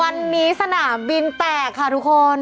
วันนี้สนามบินแตกค่ะทุกคน